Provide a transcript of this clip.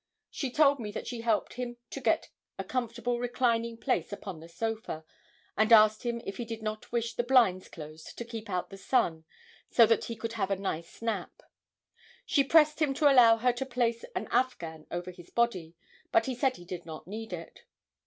She told me that she helped him to get a comfortable reclining place upon the sofa, and asked him if he did not wish the blinds closed to keep out the sun so that he could have a nice nap. She pressed him to allow her to place an afghan over his body, but he said he did not need it.